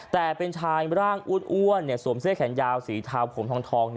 แต่เป็นชายร่างอ้วนสวมเสื้อแขนยาวสีเทาผมทอง